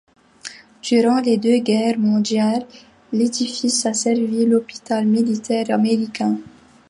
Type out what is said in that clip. Durant les deux guerres mondiales, l'édifice a servi d'hôpital militaire américain.